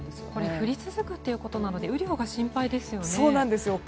降り続くということなので雨量が心配ですよね。